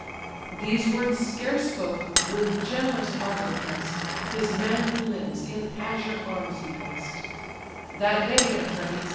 These words scarce spoke, with generous ardour press'd, His manly limbs in azure arms he dress'd. That day, Atrides!